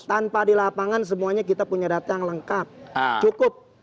tanpa di lapangan semuanya kita punya data yang lengkap cukup